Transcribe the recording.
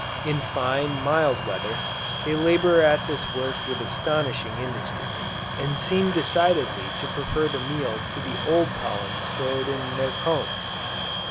In fine, mild weather, they labor at this work with astonishing industry; and seem decidedly to prefer the meal to the old pollen stored in their combs.